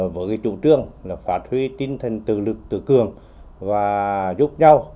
với chủ trương là phát huy tinh thần tự lực tự cường và giúp nhau